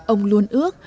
ông luôn ước